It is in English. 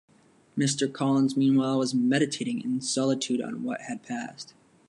Mr. Collins, meanwhile, was meditating in solitude on what had passed.